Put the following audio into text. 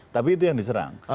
tapi itu yang diserang